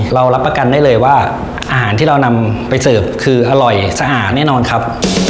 รับประกันได้เลยว่าอาหารที่เรานำไปเสิร์ฟคืออร่อยสะอาดแน่นอนครับ